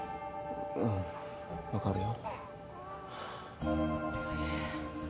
うん分かるよ。